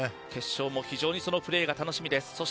決勝も非常にプレーが楽しみです。